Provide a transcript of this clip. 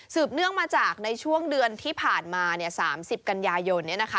เนื่องมาจากในช่วงเดือนที่ผ่านมา๓๐กันยายน